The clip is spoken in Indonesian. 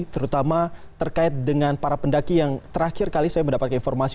terutama terkait dengan para pendaki yang terakhir kali saya mendapatkan informasi